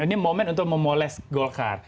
ini momen untuk memoles golkar